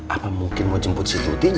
apa mungkin mau jemput si tuti nek